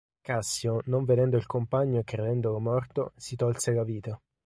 Cassio, non vedendo il compagno e credendolo morto, si tolse la vita.